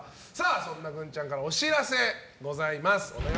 そんなグンちゃんからお知らせがございます。